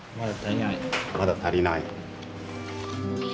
まだ足りない。